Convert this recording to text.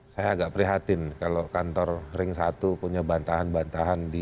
saya agak prihatin kalau kantor ring satu punya bantahan bantahan di